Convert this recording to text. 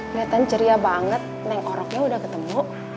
kelihatan ceria banget nengoroknya udah ketemu